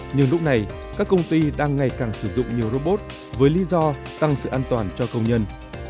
nhưng lúc này các công ty đang ngày càng sử dụng nhiều robot với lý do tăng sự an toàn cho công nhân